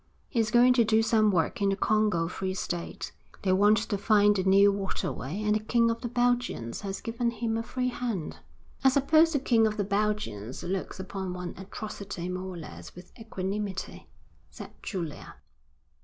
He's going to do some work in the Congo Free State. They want to find a new waterway, and the King of the Belgians has given him a free hand.' 'I suppose the King of the Belgians looks upon one atrocity more or less with equanimity,' said Julia.